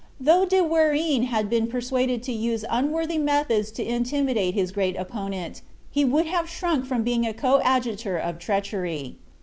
Though De Warenne had been persuaded to use unworthy means to intimidate his great opponent, he would have shrunk from being a coadjutor of treachery.